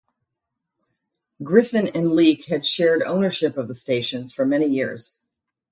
Griffin and Leake had shared ownership of the stations for many years.